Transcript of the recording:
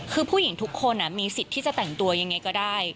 คือผู้หญิงทุกคนมีสิทธิ์ที่จะแต่งตัวยังไงก็ได้